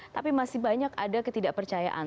tapi masih banyak ada ketidakpercayaan